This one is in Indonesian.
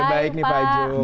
kabar baik nih pak